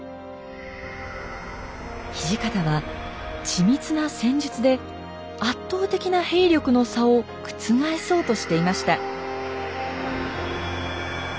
土方は緻密な戦術で圧倒的な兵力の差を覆そうとしていました。